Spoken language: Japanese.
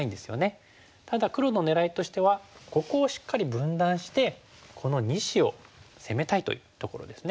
ただ黒の狙いとしてはここをしっかり分断してこの２子を攻めたいというところですね。